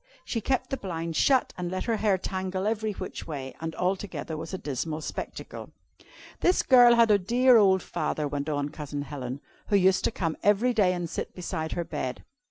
She kept the blinds shut, and let her hair tangle every which way, and altogether was a dismal spectacle. "This girl had a dear old father," went on Cousin Helen, "who used to come every day and sit beside her bed.